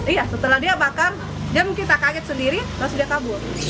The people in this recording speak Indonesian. iya setelah dia bakar dia mungkin tak kaget sendiri terus dia kabur